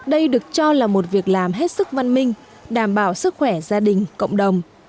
đây được cho là một việc làm hết sức văn minh đảm bảo sức khỏe gia đình cộng đồng